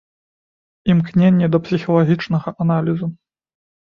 Імкненне да псіхалагічнага аналізу.